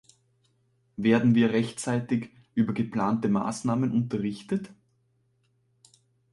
Werden wir rechtzeitig über geplante Maßnahmen unterrichtet?